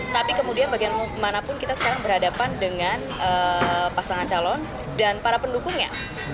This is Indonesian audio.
tapi kemudian bagaimanapun kita sekarang berhadapan dengan pasangan calon dan para pendukungnya